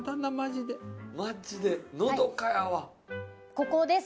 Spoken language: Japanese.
ここです。